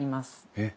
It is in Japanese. えっ。